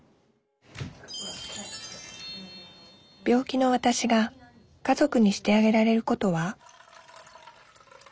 病気のわたしが家族にしてあげられることは？